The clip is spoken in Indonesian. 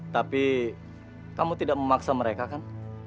tapi kamu tidak memaksa mereka kan